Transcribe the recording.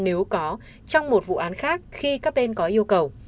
đó trong một vụ án khác khi các bên có yêu cầu